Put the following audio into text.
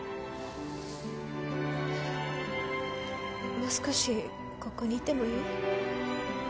もう少しここにいてもいい？